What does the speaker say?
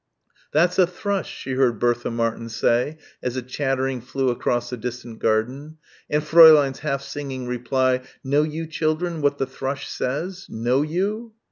"That's a thrush," she heard Bertha Martin say as a chattering flew across a distant garden and Fräulein's half singing reply, "Know you, children, what the thrush says? Know you?"